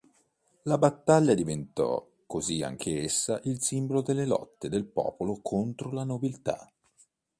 La battaglia diventò così anch'essa il simbolo delle lotte del popolo contro la nobiltà.